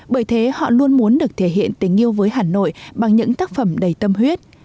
bởi thế họ luôn muốn được thể hiện tình yêu với hà nội bằng những tác phẩm đầy tâm huyết